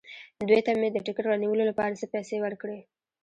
دوی ته مې د ټکټ رانیولو لپاره څه پېسې ورکړې.